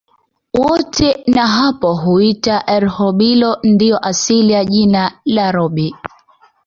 Wote na hapo huitwa Erhobilo ndio asili ya jina Rhobi